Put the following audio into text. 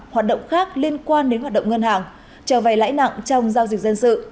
hoạt động khác liên quan đến hoạt động ngân hàng trở về lãi nặng trong giao dịch dân sự